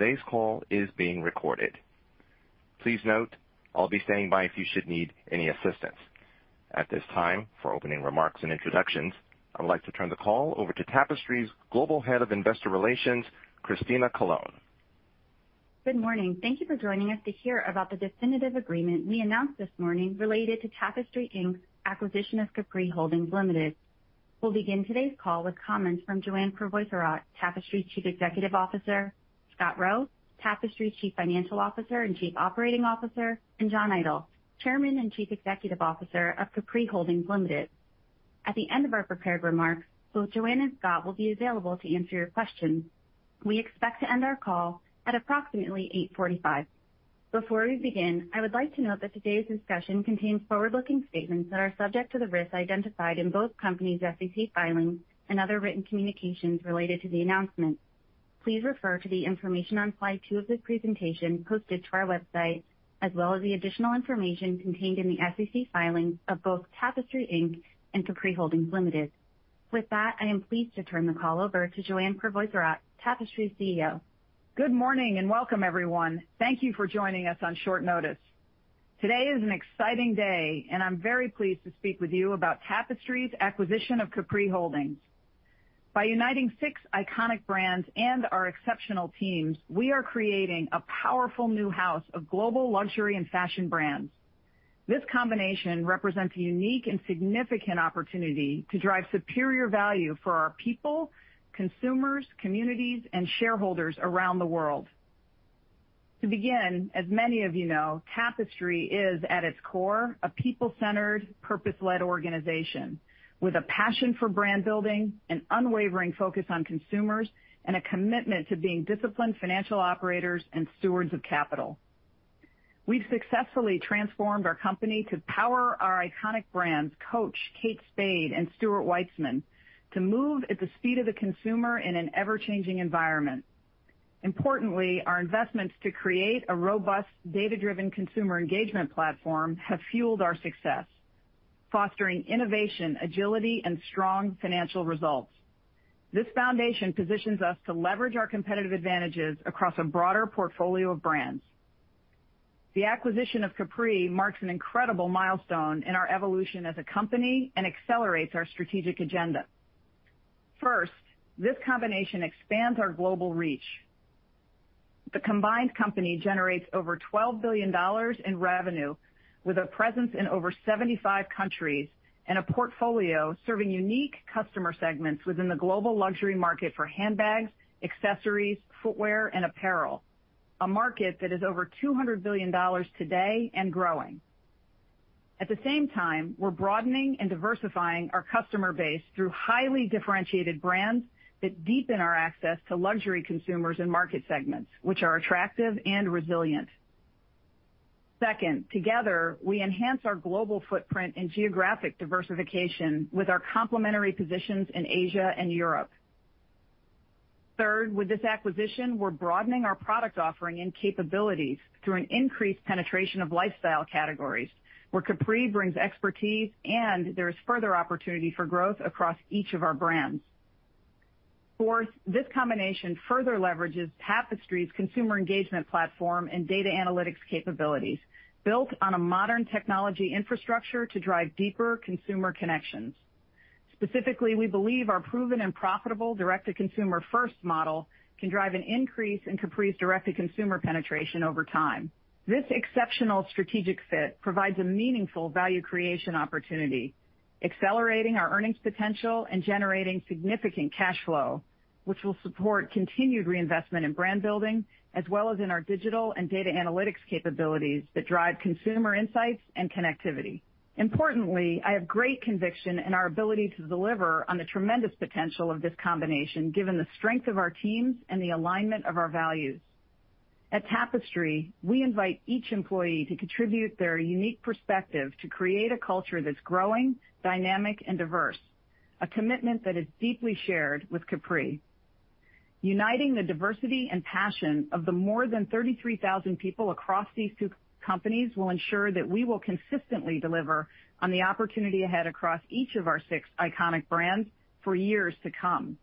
Today's call is being recorded. Please note, I'll be standing by if you should need any assistance. At this time, for opening remarks and introductions, I would like to turn the call over to Tapestry's Global Head of Investor Relations, Christina Colone. Good morning. Thank you for joining us to hear about the definitive agreement we announced this morning related to Tapestry Inc.'s acquisition of Capri Holdings Limited. We'll begin today's call with comments from Joanne Crevoiserat, Tapestry's Chief Executive Officer, Scott Roe, Tapestry's Chief Financial Officer and Chief Operating Officer, and John Idol, Chairman and Chief Executive Officer of Capri Holdings Limited. At the end of our prepared remarks, both Joanne and Scott will be available to answer your questions. We expect to end our call at approximately 8:45 A.M. Before we begin, I would like to note that today's discussion contains forward-looking statements that are subject to the risks identified in both companies' SEC filings and other written communications related to the announcement. Please refer to the information on slide two of this presentation, posted to our website, as well as the additional information contained in the SEC filings of both Tapestry Inc. and Capri Holdings Limited. With that, I am pleased to turn the call over to Joanne Crevoiserat, Tapestry's CEO. Good morning, and welcome, everyone. Thank Thank you for joining us on short notice. Today is an exciting day, and I'm very pleased to speak with you about Tapestry's acquisition of Capri Holdings. By uniting six iconic brands and our exceptional teams, we are creating a powerful new house of global luxury and fashion brands. This combination represents a unique and significant opportunity to drive superior value for our people, consumers, communities, and shareholders around the world. To begin, as many of you know, Tapestry is, at its core, a people-centered, purpose-led organization with a passion for brand building, an unwavering focus on consumers, and a commitment to being disciplined financial operators and stewards of capital. We've successfully transformed our company to power our iconic brands, Coach, Kate Spade, and Stuart Weitzman, to move at the speed of the consumer in an ever-changing environment. Importantly, our investments to create a robust, data-driven consumer engagement platform have fueled our success, fostering innovation, agility, and strong financial results. This foundation positions us to leverage our competitive advantages across a broader portfolio of brands. The acquisition of Capri marks an incredible milestone in our evolution as a company and accelerates our strategic agenda. First, this combination expands our global reach. The combined company generates over $12 billion in revenue, with a presence in over 75 countries and a portfolio serving unique customer segments within the global luxury market for handbags, accessories, footwear, and apparel, a market that is over $200 billion today and growing. At the same time, we're broadening and diversifying our customer base through highly differentiated brands that deepen our access to luxury consumers and market segments, which are attractive and resilient. Second, together, we enhance our global footprint and geographic diversification with our complementary positions in Asia and Europe. Third, with this acquisition, we're broadening our product offering and capabilities through an increased penetration of lifestyle categories, where Capri brings expertise and there is further opportunity for growth across each of our brands. Fourth, this combination further leverages Tapestry's consumer engagement platform and data analytics capabilities, built on a modern technology infrastructure to drive deeper consumer connections. Specifically, we believe our proven and profitable direct-to-consumer first model can drive an increase in Capri's direct-to-consumer penetration over time. This exceptional strategic fit provides a meaningful value creation opportunity, accelerating our earnings potential and generating significant cash flow, which will support continued reinvestment in brand building, as well as in our digital and data analytics capabilities that drive consumer insights and connectivity. Importantly, I have great conviction in our ability to deliver on the tremendous potential of this combination, given the strength of our teams and the alignment of our values. At Tapestry, we invite each employee to contribute their unique perspective to create a culture that's growing, dynamic, and diverse, a commitment that is deeply shared with Capri. Uniting the diversity and passion of the more than 33,000 people across these two companies will ensure that we will consistently deliver on the opportunity ahead across each of our six iconic brands for years to come.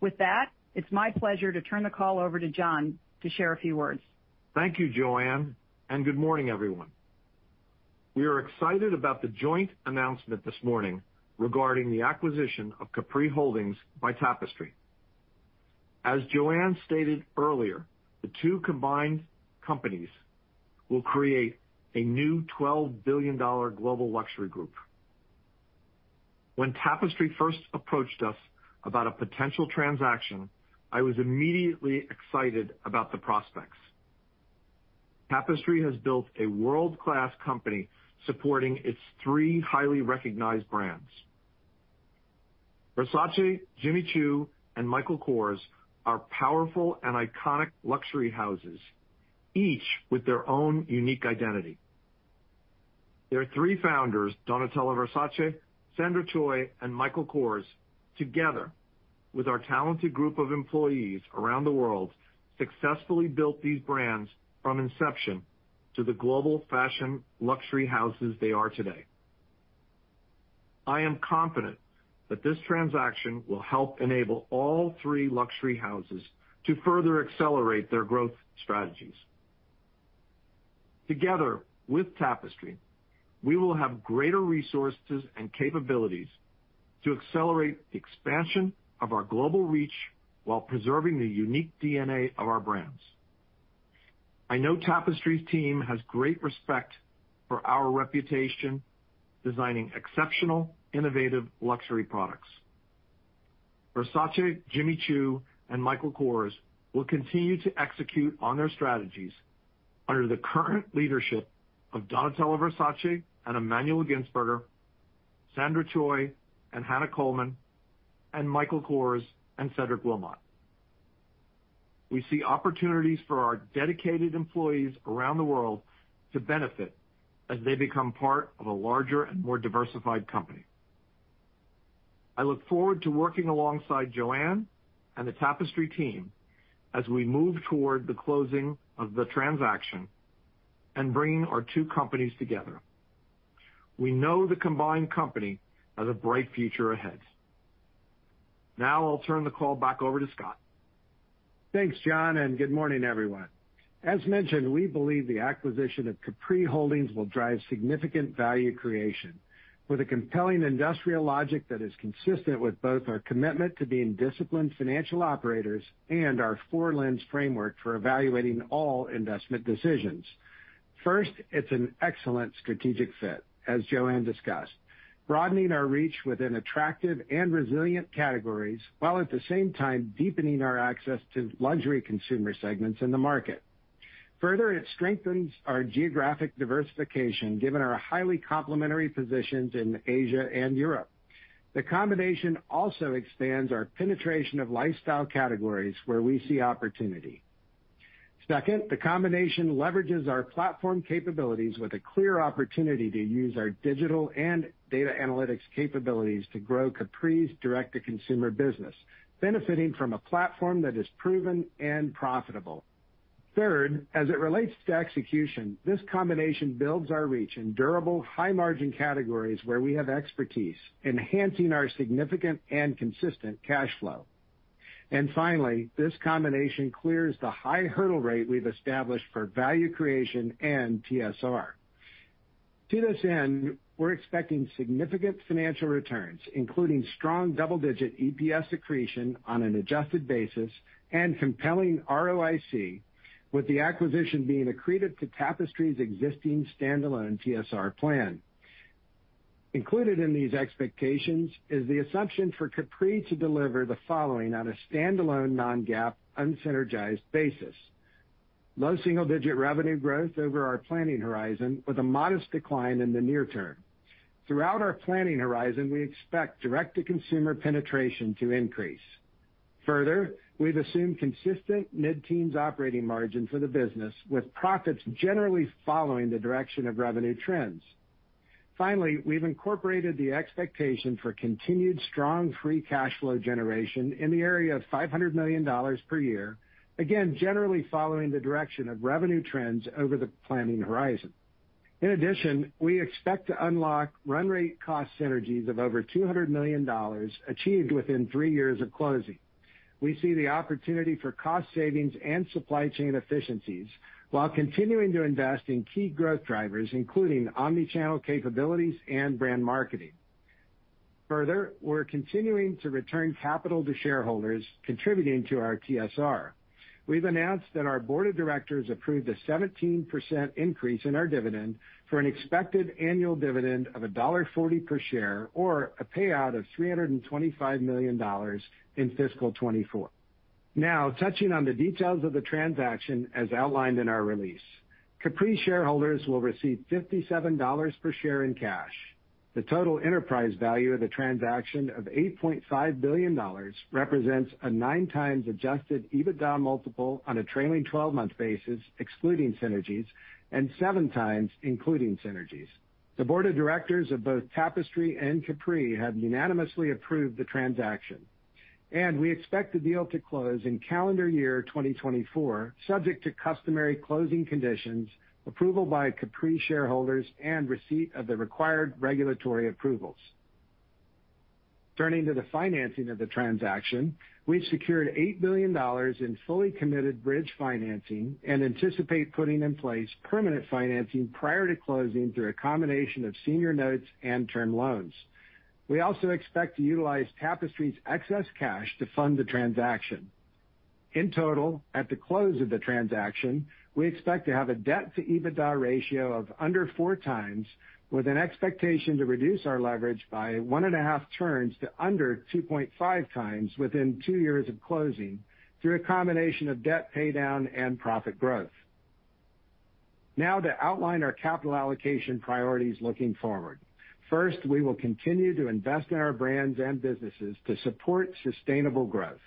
With that, it's my pleasure to turn the call over to John to share a few words. Thank you, Joanne. Good morning, everyone. We are excited about the joint announcement this morning regarding the acquisition of Capri Holdings by Tapestry. As Joanne stated earlier, the two combined companies will create a new $12 billion global luxury group. When Tapestry first approached us about a potential transaction, I was immediately excited about the prospects. Tapestry has built a world-class company supporting its three highly recognized brands. Versace, Jimmy Choo, and Michael Kors are powerful and iconic luxury houses, each with their own unique identity. Their three founders, Donatella Versace, Sandra Choi, and Michael Kors, together with our talented group of employees around the world, successfully built these brands from inception to the global fashion luxury houses they are today. I am confident that this transaction will help enable all three luxury houses to further accelerate their growth strategies. Together, with Tapestry, we will have greater resources and capabilities to accelerate the expansion of our global reach while preserving the unique DNA of our brands. I know Tapestry's team has great respect for our reputation, designing exceptional, innovative luxury products. Versace, Jimmy Choo, and Michael Kors will continue to execute on their strategies under the current leadership of Donatella Versace and Emmanuel Gintzburger, Sandra Choi and Hannah Colman, and Michael Kors and Cedric Wilmotte. We see opportunities for our dedicated employees around the world to benefit as they become part of a larger and more diversified company. I look forward to working alongside Joanne and the Tapestry team as we move toward the closing of the transaction and bringing our two companies together. We know the combined company has a bright future ahead. Now, I'll turn the call back over to Scott. Thanks, John, and good morning, everyone. As mentioned, we believe the acquisition of Capri Holdings will drive significant value creation with a compelling industrial logic that is consistent with both our commitment to being disciplined financial operators and our four-lens framework for evaluating all investment decisions. First, it's an excellent strategic fit, as Joanne discussed, broadening our reach with an attractive and resilient categories, while at the same time, deepening our access to luxury consumer segments in the market. Further, it strengthens our geographic diversification, given our highly complementary positions in Asia and Europe. The combination also expands our penetration of lifestyle categories where we see opportunity. Second, the combination leverages our platform capabilities with a clear opportunity to use our digital and data analytics capabilities to grow Capri's direct-to-consumer business, benefiting from a platform that is proven and profitable. Third, as it relates to execution, this combination builds our reach in durable, high-margin categories where we have expertise, enhancing our significant and consistent cash flow. Finally, this combination clears the high hurdle rate we've established for value creation and TSR. To this end, we're expecting significant financial returns, including strong double-digit EPS accretion on an adjusted basis and compelling ROIC, with the acquisition being accretive to Tapestry's existing standalone TSR plan. Included in these expectations is the assumption for Capri to deliver the following on a standalone non-GAAP, unsynergized basis: low single-digit revenue growth over our planning horizon, with a modest decline in the near term. Throughout our planning horizon, we expect direct-to-consumer penetration to increase. Further, we've assumed consistent mid-teens operating margin for the business, with profits generally following the direction of revenue trends. We've incorporated the expectation for continued strong free cash flow generation in the area of $500 million per year, again, generally following the direction of revenue trends over the planning horizon. We expect to unlock run rate cost synergies of over $200 million, achieved within three years of closing. We see the opportunity for cost savings and supply chain efficiencies while continuing to invest in key growth drivers, including omnichannel capabilities and brand marketing. We're continuing to return capital to shareholders, contributing to our TSR. We've announced that our Board of Directors approved a 17% increase in our dividend for an expected annual dividend of $1.40 per share, or a payout of $325 million in Fiscal 2024. Touching on the details of the transaction as outlined in our release. Capri shareholders will receive $57 per share in cash. The total enterprise value of the transaction of $8.5 billion represents a 9x adjusted EBITDA multiple on a trailing twelve-month basis, excluding synergies, and 7x, including synergies. The board of directors of both Tapestry and Capri have unanimously approved the transaction, and we expect the deal to close in calendar year 2024, subject to customary closing conditions, approval by Capri shareholders, and receipt of the required regulatory approvals. Turning to the financing of the transaction, we've secured $8 billion in fully committed bridge financing and anticipate putting in place permanent financing prior to closing through a combination of senior notes and term loans. We also expect to utilize Tapestry's excess cash to fund the transaction. In total, at the close of the transaction, we expect to have a debt-to-EBITDA ratio of under 4x, with an expectation to reduce our leverage by 1.5 turns to under 2.5x within two years of closing, through a combination of debt paydown and profit growth. To outline our capital allocation priorities looking forward. First, we will continue to invest in our brands and businesses to support sustainable growth.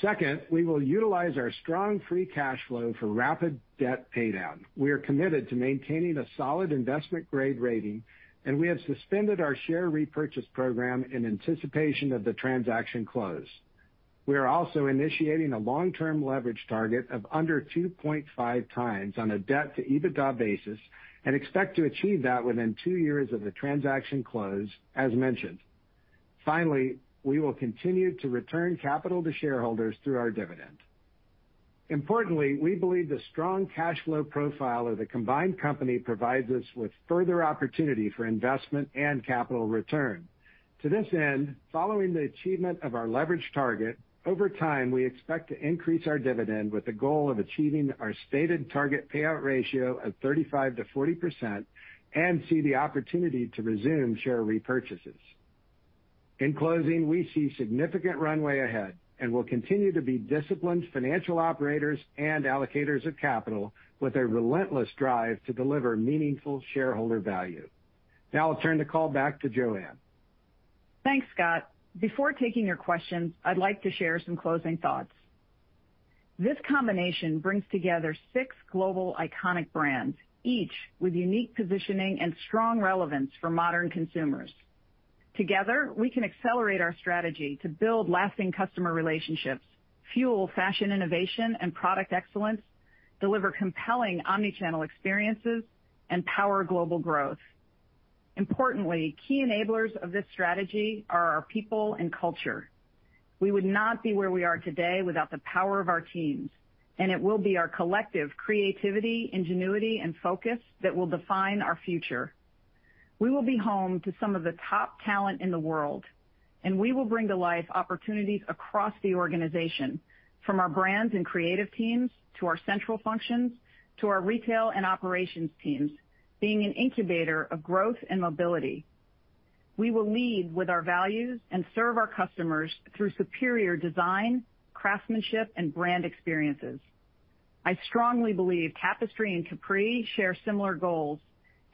Second, we will utilize our strong free cash flow for rapid debt paydown. We are committed to maintaining a solid investment grade rating, and we have suspended our share repurchase program in anticipation of the transaction close. We are also initiating a long-term leverage target of under 2.5x on a debt-to-EBITDA basis, and expect to achieve that within two years of the transaction close, as mentioned. Finally, we will continue to return capital to shareholders through our dividend. Importantly, we believe the strong cash flow profile of the combined company provides us with further opportunity for investment and capital return. To this end, following the achievement of our leverage target, over time, we expect to increase our dividend with the goal of achieving our stated target payout ratio of 35%-40% and see the opportunity to resume share repurchases. In closing, we see significant runway ahead and will continue to be disciplined financial operators and allocators of capital with a relentless drive to deliver meaningful shareholder value. Now I'll turn the call back to Joanne. Thanks, Scott. Before taking your questions, I'd like to share some closing thoughts. This combination brings together six global iconic brands, each with unique positioning and strong relevance for modern consumers. Together, we can accelerate our strategy to build lasting customer relationships, fuel fashion, innovation, and product excellence, deliver compelling omnichannel experiences, and power global growth. Importantly, key enablers of this strategy are our people and culture. We would not be where we are today without the power of our teams, and it will be our collective creativity, ingenuity, and focus that will define our future. We will be home to some of the top talent in the world, and we will bring to life opportunities across the organization, from our brands and creative teams to our central functions, to our retail and operations teams, being an incubator of growth and mobility. We will lead with our values and serve our customers through superior design, craftsmanship, and brand experiences. I strongly believe Tapestry and Capri share similar goals,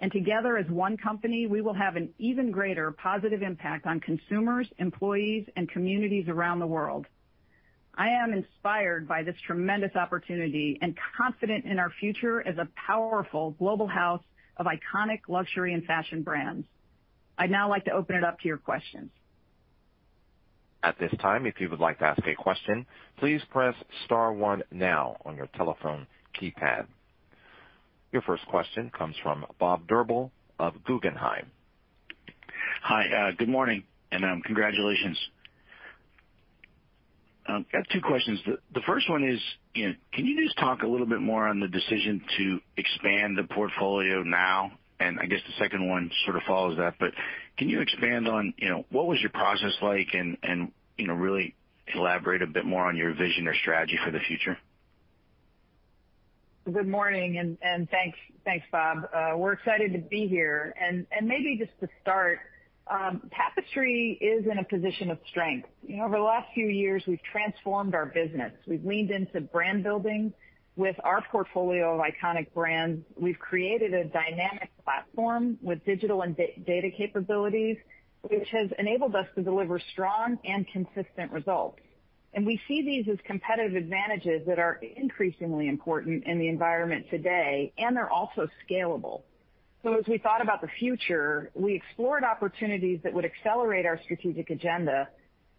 and together, as one company, we will have an even greater positive impact on consumers, employees, and communities around the world. I am inspired by this tremendous opportunity and confident in our future as a powerful global house of iconic luxury and fashion brands. I'd now like to open it up to your questions. At this time, if you would like to ask a question, please press star one now on your telephone keypad. Your first question comes from Bob Drbul of Guggenheim. Hi, good morning, and congratulations. Got two questions. The first one is, you know, can you just talk a little bit more on the decision to expand the portfolio now? I guess the second one sort of follows that, but can you expand on, you know, what was your process like and, and, you know, really elaborate a bit more on your vision or strategy for the future? Good morning, and thanks, thanks, Bob. We're excited to be here. And maybe just to start, Tapestry is in a position of strength. You know, over the last few years, we've transformed our business. We've leaned into brand building with our portfolio of iconic brands. We've created a dynamic platform with digital and data capabilities, which has enabled us to deliver strong and consistent results. We see these as competitive advantages that are increasingly important in the environment today, and they're also scalable. As we thought about the future, we explored opportunities that would accelerate our strategic agenda,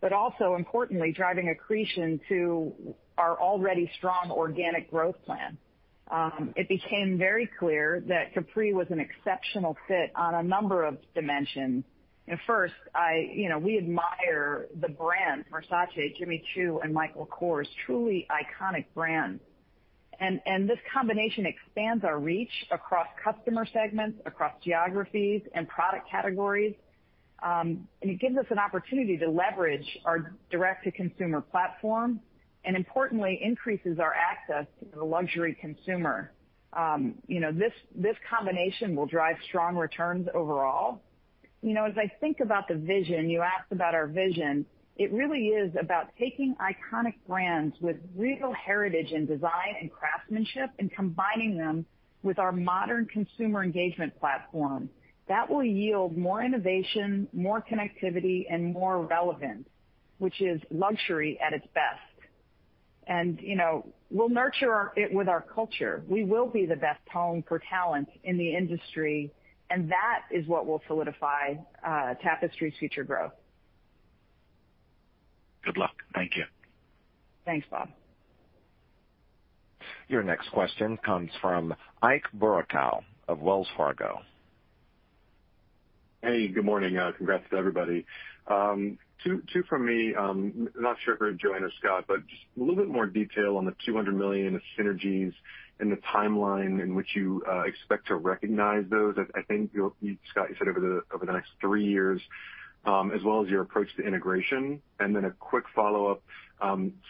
but also importantly, driving accretion to our already strong organic growth plan. It became very clear that Capri was an exceptional fit on a number of dimensions. First, you know, we admire the brands, Versace, Jimmy Choo, and Michael Kors, truly iconic brands. This combination expands our reach across customer segments, across geographies and product categories, and it gives us an opportunity to leverage our direct-to-consumer platform and importantly, increases our access to the luxury consumer. You know, this combination will drive strong returns overall. You know, as I think about the vision, you asked about our vision, it really is about taking iconic brands with real heritage in design and craftsmanship and combining them with our modern consumer engagement platform. That will yield more innovation, more connectivity, and more relevance, which is luxury at its best. You know, we'll nurture it with our culture. We will be the best home for talent in the industry, and that is what will solidify Tapestry's future growth. Good luck. Thank you. Thanks, Bob. Your next question comes from Ike Boruchow of Wells Fargo. Hey, good morning. Congrats to everybody. Two, two from me. Not sure if Joanne, Scott, but just a little bit more detail on the $200 million of synergies and the timeline in which you expect to recognize those. I think you'll, you, Scott, you said over the next three years, as well as your approach to integration. Then a quick follow-up.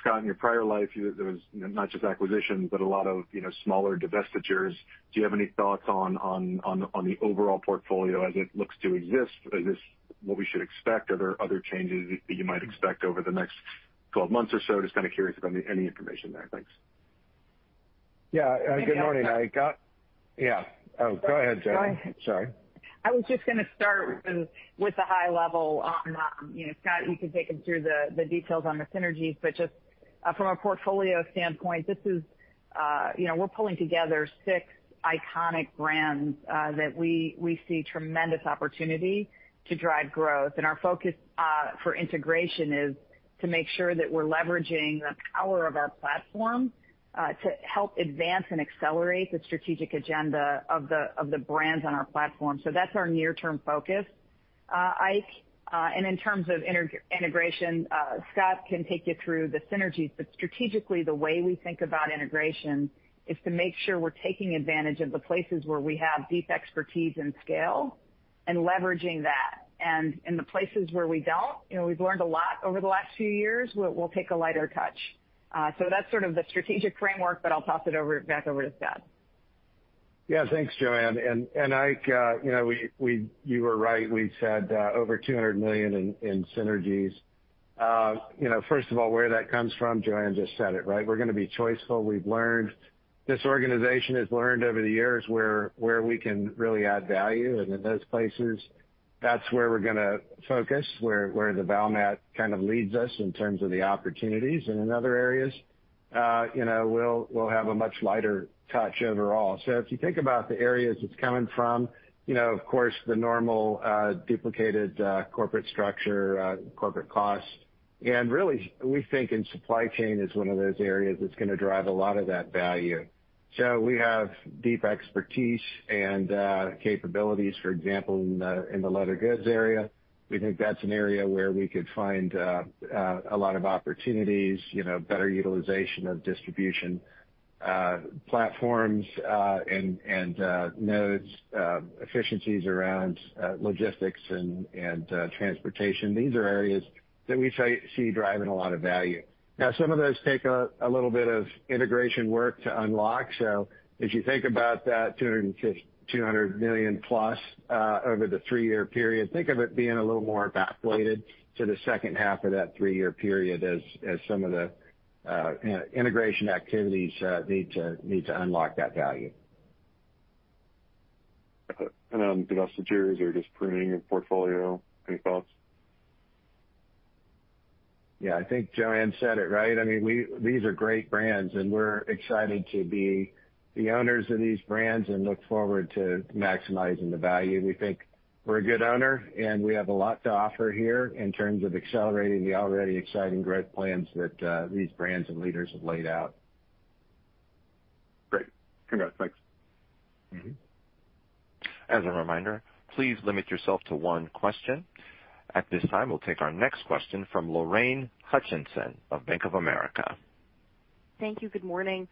Scott, in your prior life, there was not just acquisitions, but a lot of, you know, smaller divestitures. Do you have any thoughts on, on, on, on the overall portfolio as it looks to exist? Is this what we should expect? Are there other changes that you might expect over the next 12 months or so? Just kind of curious about any, any information there. Thanks. Yeah, good morning, Ike. Yeah. Oh, go ahead, Joanne. Sorry. I was just gonna start with the, with the high level on, you know, Scott, you can take him through the, the details on the synergies, but from a portfolio standpoint, this is, you know, we're pulling together six iconic brands that we, we see tremendous opportunity to drive growth. Our focus for integration is to make sure that we're leveraging the power of our platform to help advance and accelerate the strategic agenda of the brands on our platform. That's our near-term focus. Ike, in terms of integration, Scott can take you through the synergies, but strategically, the way we think about integration is to make sure we're taking advantage of the places where we have deep expertise and scale and leveraging that. In the places where we don't, you know, we've learned a lot over the last few years, we'll, we'll take a lighter touch. That's sort of the strategic framework, but I'll toss it over-- back over to Scott. Yeah, thanks, Joanne. Ike, you know, you were right. We've said, over $200 million in synergies. You know, first of all, where that comes from, Joanne just said it, right? We're gonna be choiceful. We've learned. This organization has learned over the years where, where we can really add value, and in those places, that's where we're gonna focus, where, where the Balmain kind of leads us in terms of the opportunities. In other areas, you know, we'll have a much lighter touch overall. If you think about the areas it's coming from, you know, of course, the normal, duplicated, corporate structure, corporate cost, and really, we think in supply chain is one of those areas that's gonna drive a lot of that value. We have deep expertise and capabilities, for example, in the leather goods area. We think that's an area where we could find a lot of opportunities, you know, better utilization of distribution platforms, and nodes, efficiencies around logistics and transportation. These are areas that we see driving a lot of value. Some of those take a little bit of integration work to unlock. As you think about that $200 million+, over the three-year period, think of it being a little more backloaded to the second half of that three-year period as some of the integration activities need to unlock that value. Then the rest of Jerry's are just pruning your portfolio. Any thoughts? Yeah, I think Joanne said it, right? I mean, we- these are great brands, and we're excited to be the owners of these brands and look forward to maximizing the value. We think we're a good owner, and we have a lot to offer here in terms of accelerating the already exciting growth plans that these brands and leaders have laid out. Great. Congrats. Thanks. Mm-hmm. As a reminder, please limit yourself to one question. At this time, we'll take our next question from Lorraine Hutchinson of Bank of America. Thank you. Good morning.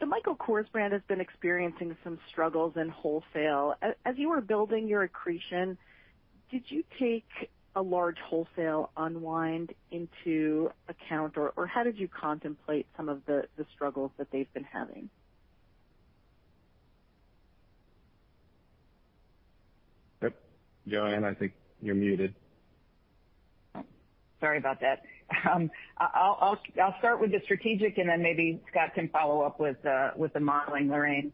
The Michael Kors brand has been experiencing some struggles in wholesale. As you were building your accretion, did you take a large wholesale unwind into account, or how did you contemplate some of the struggles that they've been having? Yep. Joanne, I think you're muted. Oh, sorry about that. I'll start with the strategic, and then maybe Scott can follow up with the, with the modeling, Lorraine.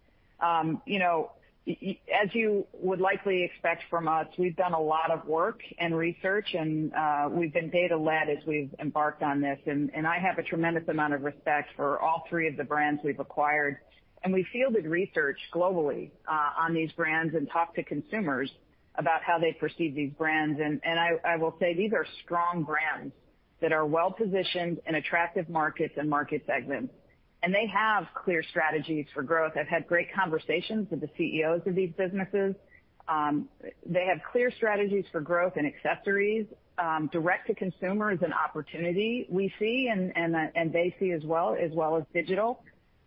You know, as you would likely expect from us, we've done a lot of work and research, and we've been data-led as we've embarked on this. I have a tremendous amount of respect for all three of the brands we've acquired. We fielded research globally on these brands and talked to consumers about how they perceive these brands. I will say these are strong brands that are well-positioned in attractive markets and market segments, and they have clear strategies for growth. I've had great conversations with the CEOs of these businesses. They have clear strategies for growth and accessories. Direct-to-consumer is an opportunity we see, and they see as well, as well as digital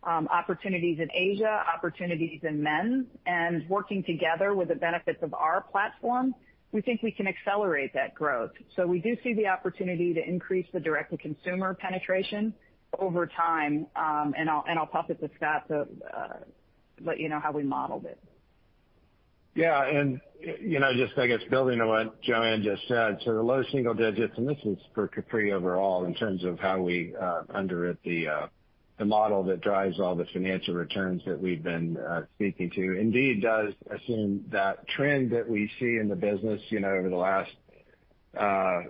opportunities in Asia, opportunities in men's. Working together with the benefits of our platform, we think we can accelerate that growth. We do see the opportunity to increase the direct-to-consumer penetration over time. I'll toss it to Scott to let you know how we modeled it. Yeah, you know, just, I guess, building on what Joanne Crevoiserat just said, so the low single digits, and this is for Capri overall, in terms of how we underwrite the model that drives all the financial returns that we've been speaking to, indeed does assume that trend that we see in the business, you know, over the last,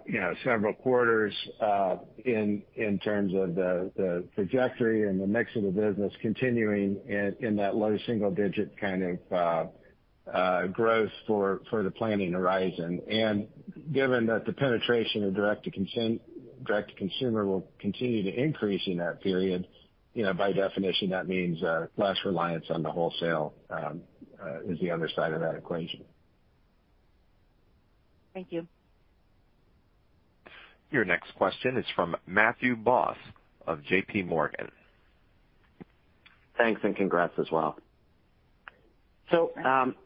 you know, several quarters, in terms of the trajectory and the mix of the business continuing in that low single digit kind of growth for the planning horizon. Given that the penetration of direct-to-consumer will continue to increase in that period, you know, by definition, that means less reliance on the wholesale is the other side of that equation. Thank you. Your next question is from Matthew Boss of JPMorgan. Thanks, congrats as well.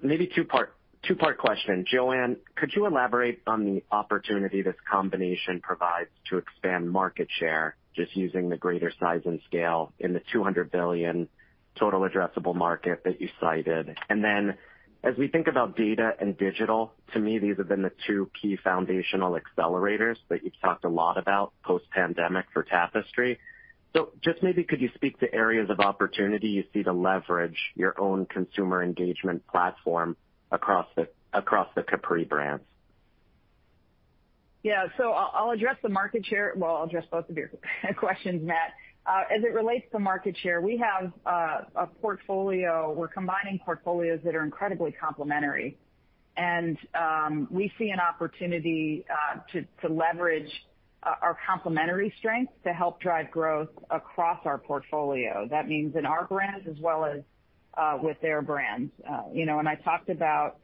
Maybe two part, two-part question. Joanne, could you elaborate on the opportunity this combination provides to expand market share, just using the greater size and scale in the $200 billion Total Addressable Market that you cited? Then, as we think about data and digital, to me, these have been the two key foundational accelerators that you've talked a lot about post-pandemic for Tapestry. Just maybe could you speak to areas of opportunity you see to leverage your own consumer engagement platform across the, across the Capri brands? Yeah, I'll, I'll address the market share. Well, I'll address both of your questions, Matt. As it relates to market share, we have a portfolio, we're combining portfolios that are incredibly complementary, we see an opportunity to, to leverage our complementary strengths to help drive growth across our portfolio. That means in our brands as well as with their brands. You know, when I talked about,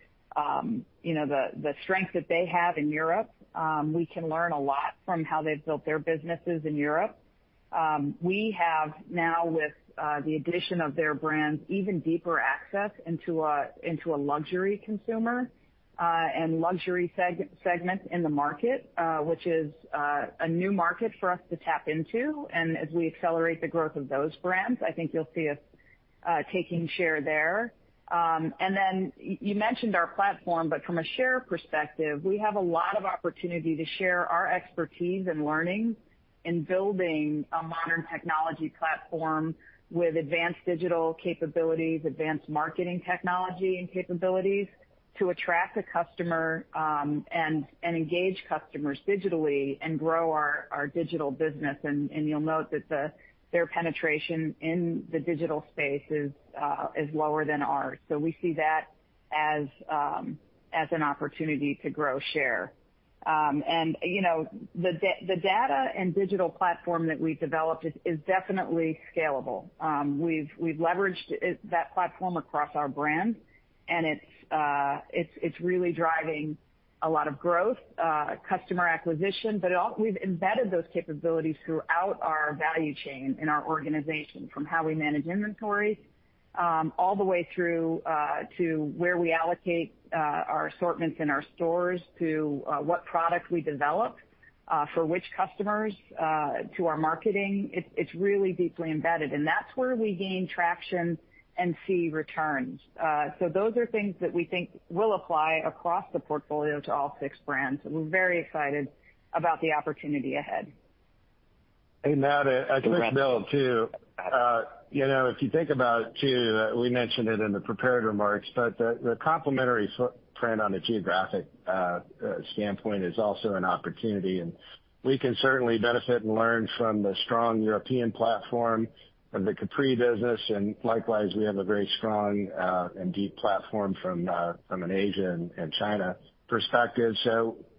you know, the, the strength that they have in Europe, we can learn a lot from how they've built their businesses in Europe. We have now, with the addition of their brands, even deeper access into a, into a luxury consumer and luxury segment in the market, which is a new market for us to tap into. As we accelerate the growth of those brands, I think you'll see us taking share there. Then you mentioned our platform, but from a share perspective, we have a lot of opportunity to share our expertise and learnings in building a modern technology platform with advanced digital capabilities, advanced marketing technology and capabilities, to attract a customer and engage customers digitally and grow our digital business. You'll note that their penetration in the digital space is lower than ours. We see that as an opportunity to grow share. You know, the data and digital platform that we developed is definitely scalable. We've, we've leveraged it, that platform across our brands, and it's, it's really driving a lot of growth, customer acquisition. It we've embedded those capabilities throughout our value chain in our organization, from how we manage inventory, all the way through to where we allocate our assortments in our stores, to what product we develop for which customers, to our marketing. It's, it's really deeply embedded, and that's where we gain traction and see returns. Those are things that we think will apply across the portfolio to all six brands, and we're very excited about the opportunity ahead. Matt, I think, Bill, too, you know, if you think about it, too, we mentioned it in the prepared remarks, but the complementary footprint on the geographic standpoint is also an opportunity, and we can certainly benefit and learn from the strong European platform of the Capri business, and likewise, we have a very strong and deep platform from an Asia and China perspective.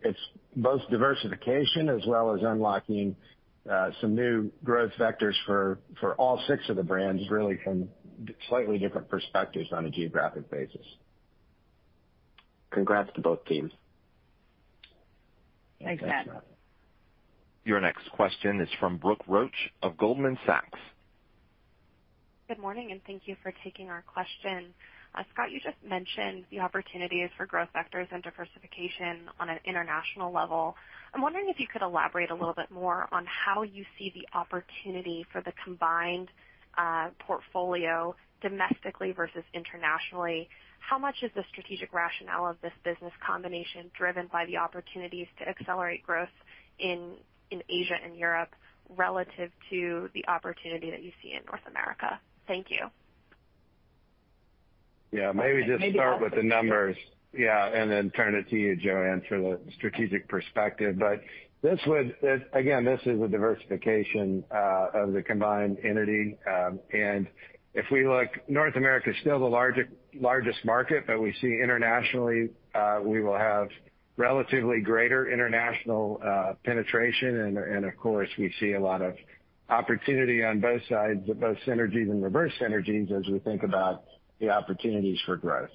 It's both diversification as well as unlocking some new growth vectors for all six of the brands, really, from slightly different perspectives on a geographic basis. Congrats to both teams. Thanks, Matt. Your next question is from Brooke Roach of Goldman Sachs. Good morning, thank you for taking our question. Scott, you just mentioned the opportunities for growth vectors and diversification on an international level. I'm wondering if you could elaborate a little bit more on how you see the opportunity for the combined portfolio domestically versus internationally. How much is the strategic rationale of this business combination driven by the opportunities to accelerate growth in Asia and Europe relative to the opportunity that you see in North America? Thank you. Yeah, maybe just start with the numbers. Yeah, then turn it to you, Joanne, for the strategic perspective. This is a diversification of the combined entity. If we look, North America is still the largest market, but we see internationally, we will have relatively greater international penetration. Of course, we see a lot of opportunity on both sides, both synergies and reverse synergies, as we think about the opportunities for growth.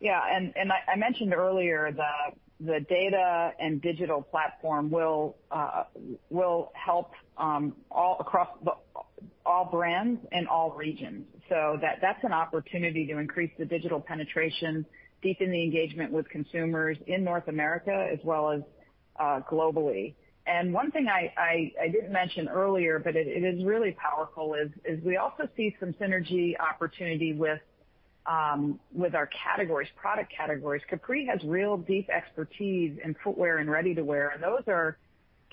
Yeah, and, and I mentioned earlier, the data and digital platform will help all across the, all brands and all regions. That's an opportunity to increase the digital penetration, deepen the engagement with consumers in North America as well as globally. One thing I didn't mention earlier, but it is really powerful, is we also see some synergy opportunity with our categories, product categories. Capri has real deep expertise in footwear and ready-to-wear, and those are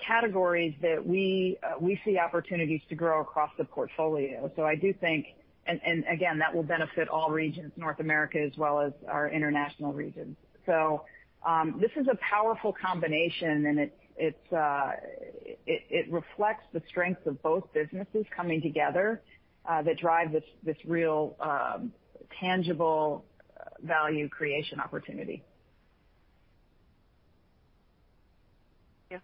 categories that we see opportunities to grow across the portfolio. I do think. Again, that will benefit all regions, North America as well as our international regions. This is a powerful combination, and it's, it's, it, it reflects the strength of both businesses coming together, that drive this, this real, tangible value creation opportunity. Yes.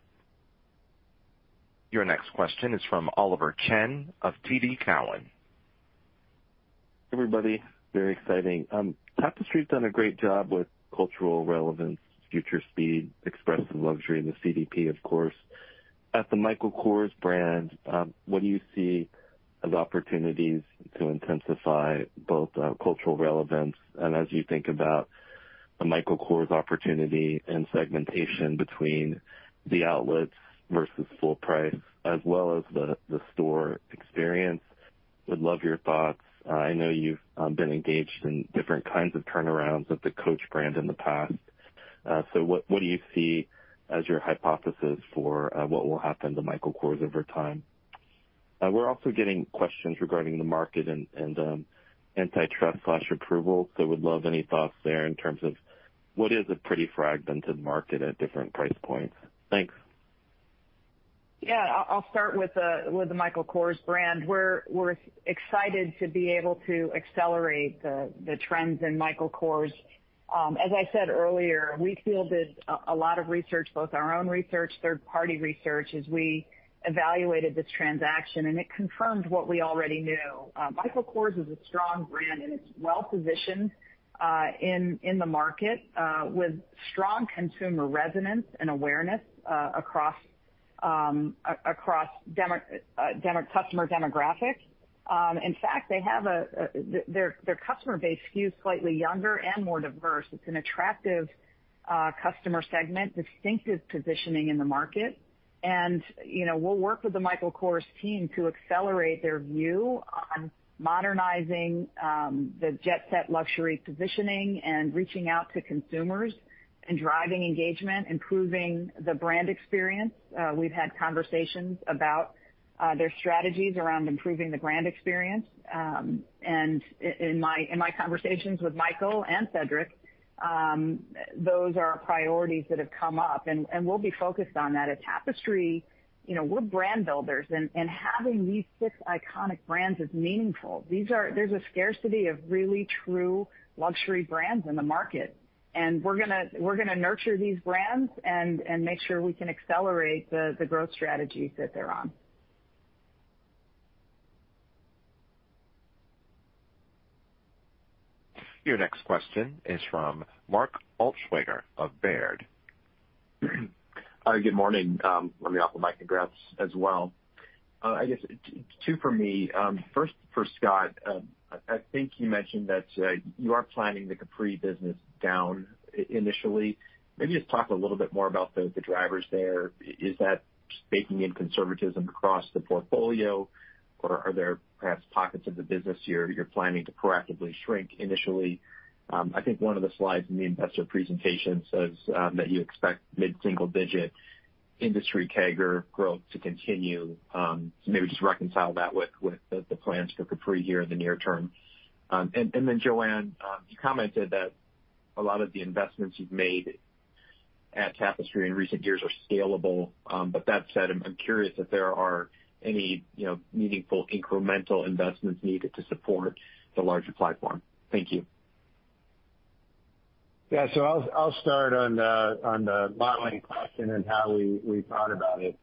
Your next question is from Oliver Chen of TD Cowen. Everybody, very exciting. Tapestry's done a great job with cultural relevance, future speed, expressive luxury, and the CDP, of course. At the Michael Kors brand, what do you see as opportunities to intensify both cultural relevance and as you think about the Michael Kors opportunity and segmentation between the outlets versus full price, as well as the store experience? Would love your thoughts. I know you've been engaged in different kinds of turnarounds with the Coach brand in the past. What, what do you see as your hypothesis for what will happen to Michael Kors over time? We're also getting questions regarding the market and, and, antitrust/approval. Would love any thoughts there in terms of what is a pretty fragmented market at different price points? Thanks. Yeah, I'll, I'll start with the, with the Michael Kors brand. We're, we're excited to be able to accelerate the, the trends in Michael Kors. As I said earlier, we fielded a, a lot of research, both our own research, third-party research, as we evaluated this transaction, and it confirmed what we already knew. Michael Kors is a strong brand, and it's well positioned, in, in the market, with strong consumer resonance and awareness, across, across demo... Customer demographics. In fact, they have a, their, their customer base skews slightly younger and more diverse. It's an attractive, customer segment, distinctive positioning in the market. You know, we'll work with the Michael Kors team to accelerate their view on modernizing, the jet set luxury positioning and reaching out to consumers and driving engagement, improving the brand experience. We've had conversations about their strategies around improving the brand experience. In my conversations with Michael and Cedric, those are priorities that have come up, and we'll be focused on that. At Tapestry, you know, we're brand builders, and having these six iconic brands is meaningful. There's a scarcity of really true luxury brands in the market, and we're gonna nurture these brands and make sure we can accelerate the growth strategies that they're on. Your next question is from Mark Altschwager of Baird. Good morning. Let me off the mute and congrats as well. I guess two for me. First for Scott. I think you mentioned that you are planning the Capri business down initially. Maybe just talk a little bit more about the drivers there. Is that baking in conservatism across the portfolio, or are there perhaps pockets of the business you're planning to proactively shrink initially? I think one of the slides in the investor presentation says that you expect mid-single-digit industry CAGR growth to continue. Maybe just reconcile that with the plans for Capri here in the near term. Then, Joanne, you commented that a lot of the investments you've made at Tapestry in recent years are scalable. That said, I'm curious if there are any, you know, meaningful incremental investments needed to support the larger platform. Thank you. Yeah, so I'll, I'll start on the, on the modeling question and how we, we thought about it.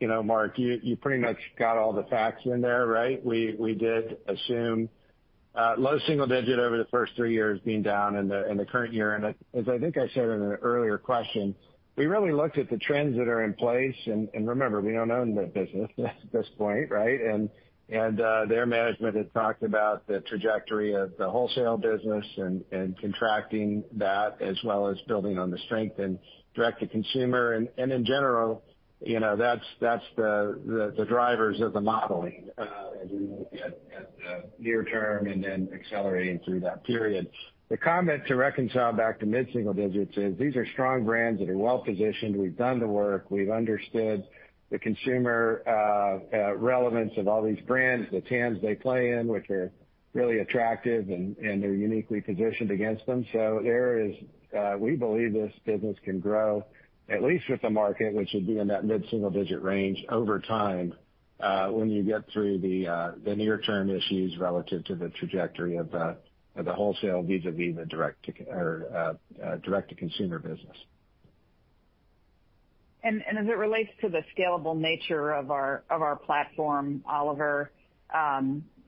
You know, Mark, you, you pretty much got all the facts in there, right? We, we did assume, low single digit over the first three years being down in the, in the current year. As I think I said in an earlier question, we really looked at the trends that are in place. Remember, we don't own the business at this point, right? Their management has talked about the trajectory of the wholesale business and, and contracting that, as well as building on the strength and direct-to-consumer. In general, you know, that's, that's the, the, the drivers of the modeling, as we look at, at the near term and then accelerating through that period. The comment to reconcile back to mid-single digits is these are strong brands that are well positioned. We've done the work. We've understood the consumer relevance of all these brands, the TAM they play in, which are really attractive and they're uniquely positioned against them. There is... We believe this business can grow, at least with the market, which would be in that mid-single-digit range over time, when you get through the near-term issues relative to the trajectory of the wholesale vis-a-vis the direct-to-consumer business. As it relates to the scalable nature of our platform, Oliver,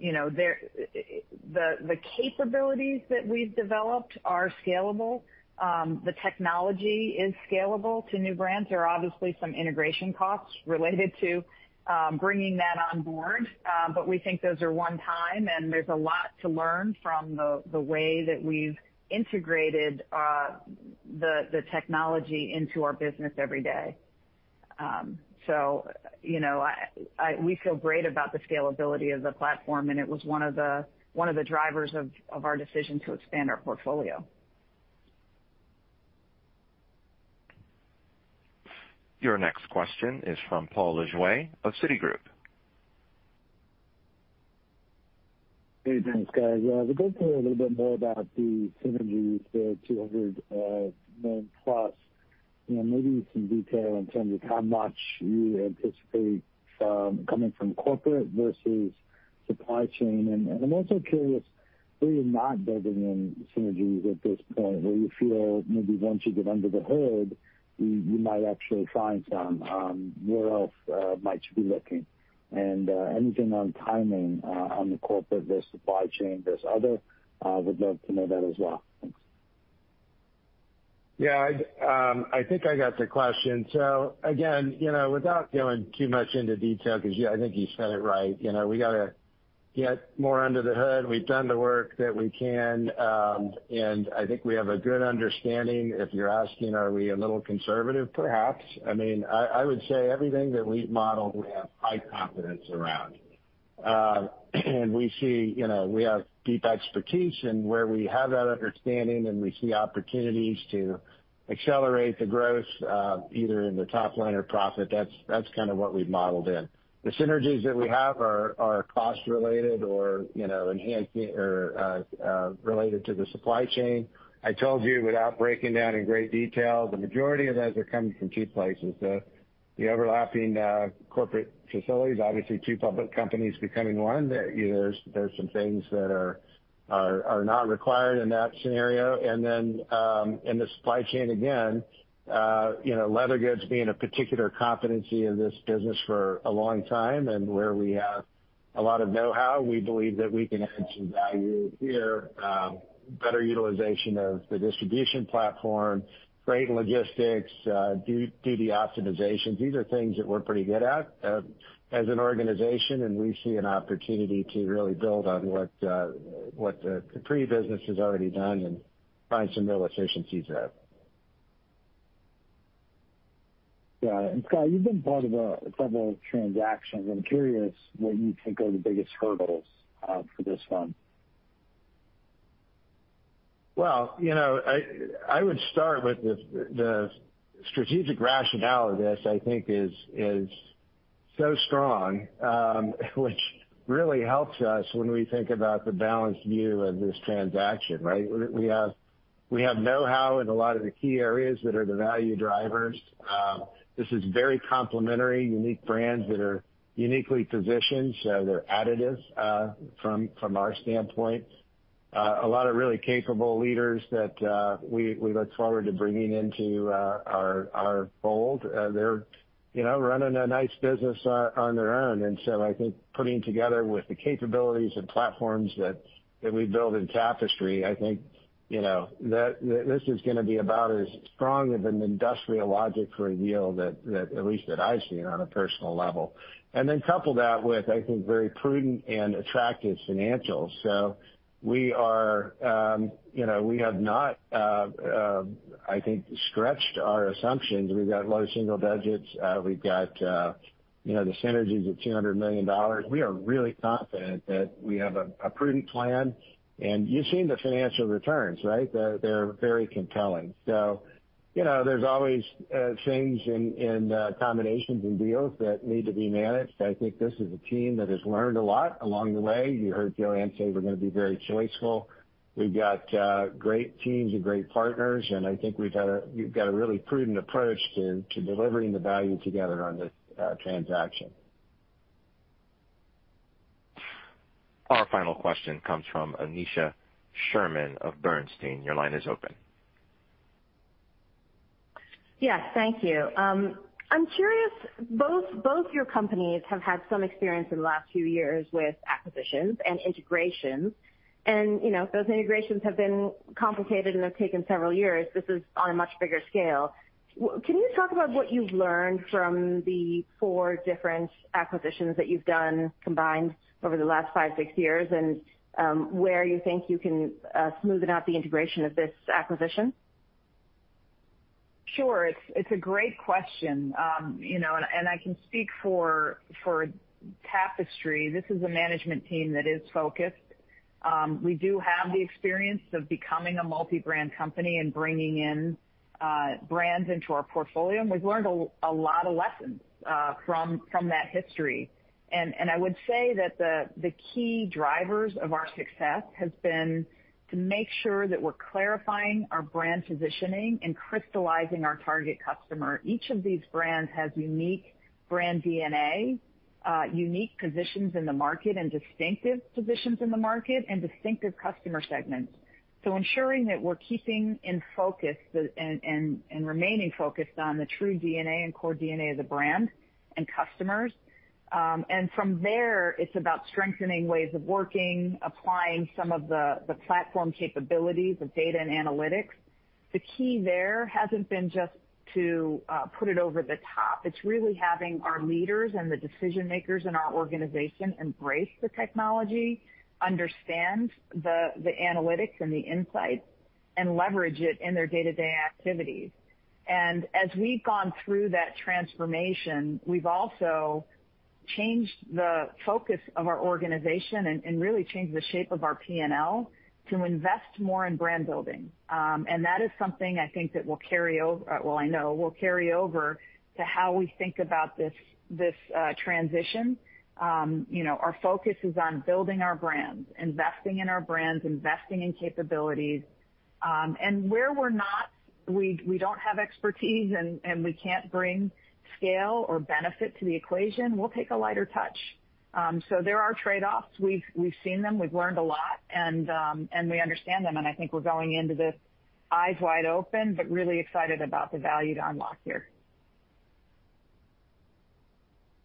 you know, the capabilities that we've developed are scalable. The technology is scalable to new brands. There are obviously some integration costs related to bringing that on board, but we think those are one time, and there's a lot to learn from the way that we've integrated the technology into our business every day. So, you know, I, I... We feel great about the scalability of the platform, and it was one of the, one of the drivers of our decision to expand our portfolio. Your next question is from Paul Lejuez of Citigroup. Hey, thanks, guys. If you could talk a little bit more about the synergies, the $200 million+, you know, maybe some detail in terms of how much you anticipate coming from corporate versus supply chain. I'm also curious, where you're not building any synergies at this point, where you feel maybe once you get under the hood, you, you might actually find some, where else might you be looking? Anything on timing on the corporate versus supply chain versus other, would love to know that as well. Thanks. Yeah. I think I got the question. Again, you know, without going too much into detail, because I think you said it right. You know, we got to get more under the hood. We've done the work that we can, and I think we have a good understanding. If you're asking, are we a little conservative? Perhaps. I mean, I, I would say everything that we've modeled, we have high confidence around. And we see, you know, we have deep expertise in where we have that understanding, and we see opportunities to accelerate the growth, either in the top line or profit. That's, that's kind of what we've modeled in. The synergies that we have are, are cost related or, you know, enhancing or related to the supply chain. I told you, without breaking down in great detail, the majority of those are coming from two places, the, the overlapping corporate facilities. Obviously, two public companies becoming one, there, you know, there's, there's some things that are, are, are not required in that scenario. Then, in the supply chain again, you know, leather goods being a particular competency in this business for a long time, and where we have a lot of know-how, we believe that we can add some value here. Better utilization of the distribution platform, great logistics, optimizations. These are things that we're pretty good at as an organization, and we see an opportunity to really build on what the Capri business has already done and find some real efficiencies there. Got it. Scott, you've been part of a couple of transactions. I'm curious what you think are the biggest hurdles for this one? Well, you know, I would start with the strategic rationale of this, I think is so strong, which really helps us when we think about the balanced view of this transaction, right? We have know-how in a lot of the key areas that are the value drivers. This is very complementary, unique brands that are uniquely positioned, so they're additive from our standpoint. A lot of really capable leaders that we look forward to bringing into our fold. They're, you know, running a nice business on, on their own, I think putting together with the capabilities and platforms that, that we build in Tapestry, I think, you know, that this is gonna be about as strong of an industrial logic for a deal that, that at least that I've seen on a personal level. Couple that with, I think, very prudent and attractive financials. We are, you know, we have not, I think, stretched our assumptions. We've got a lot of single digits. We've got, you know, the synergies of $200 million. We are really confident that we have a, a prudent plan. You've seen the financial returns, right? They're, they're very compelling. You know, there's always things in, in combinations and deals that need to be managed. I think this is a team that has learned a lot along the way. You heard Joanne say we're gonna be very choiceful. We've got great teams and great partners, and I think we've got a really prudent approach to, to delivering the value together on this transaction. Our final question comes from Aneesha Sherman of Bernstein. Your line is open. Yes, thank you. I'm curious, both, both your companies have had some experience in the last few years with acquisitions and integrations, and, you know, those integrations have been complicated and have taken several years. This is on a much bigger scale. Can you talk about what you've learned from the four different acquisitions that you've done combined over the last five, six years, and where you think you can smoothen out the integration of this acquisition? Sure. It's, it's a great question. You know, and, and I can speak for, for Tapestry. This is a management team that is focused. We do have the experience of becoming a multi-brand company and bringing in brands into our portfolio, and we've learned a lot of lessons from, from that history. I would say that the, the key drivers of our success has been to make sure that we're clarifying our brand positioning and crystallizing our target customer. Each of these brands has unique brand DNA, unique positions in the market, and distinctive positions in the market, and distinctive customer segments. Ensuring that we're keeping in focus and remaining focused on the true DNA and core DNA of the brand and customers. From there, it's about strengthening ways of working, applying some of the, the platform capabilities of data and analytics. The key there hasn't been just to put it over the top. It's really having our leaders and the decision makers in our organization embrace the technology, understand the, the analytics and the insights, and leverage it in their day-to-day activities. As we've gone through that transformation, we've also changed the focus of our organization and, and really changed the shape of our P&L to invest more in brand building. That is something I think that will carry over, well, I know will carry over to how we think about this, this transition. You know, our focus is on building our brands, investing in our brands, investing in capabilities, and where we're not, we, we don't have expertise and, and we can't bring scale or benefit to the equation, we'll take a lighter touch. There are trade-offs. We've, we've seen them, we've learned a lot, and we understand them, and I think we're going into this eyes wide open, but really excited about the value to unlock here.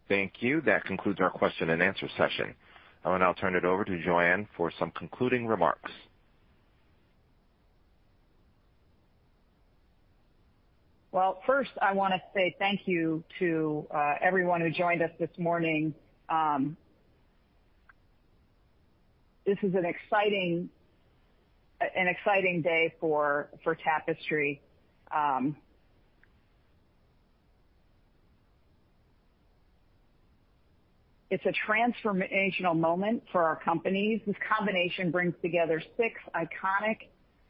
Thank you. That concludes our question and answer session. I will now turn it over to Joanne for some concluding remarks. Well, first, I wanna say thank you to everyone who joined us this morning. This is an exciting, an exciting day for, for Tapestry. It's a transformational moment for our companies. This combination brings together six iconic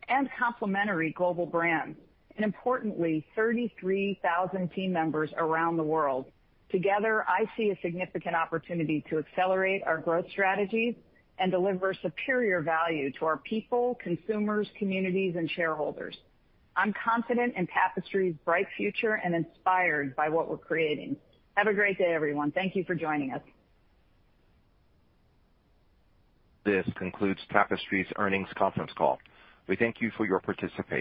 and complementary global brands, and importantly, 33,000 team members around the world. Together, I see a significant opportunity to accelerate our growth strategies and deliver superior value to our people, consumers, communities, and shareholders. I'm confident in Tapestry's bright future and inspired by what we're creating. Have a great day, everyone. Thank you for joining us. This concludes Tapestry's Earnings Conference Call. We thank you for your participation.